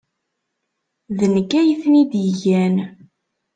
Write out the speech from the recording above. D nekk ay ten-id-igan.